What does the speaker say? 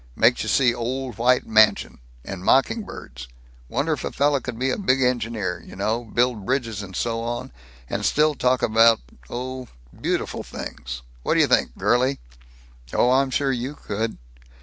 Makes you see old white mansion, and mocking birds Wonder if a fellow could be a big engineer, you know, build bridges and so on, and still talk about, oh, beautiful things? What d' you think, girlie?" "Oh, I'm sure you could!"